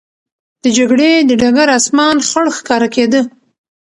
د جګړې د ډګر آسمان خړ ښکاره کېده.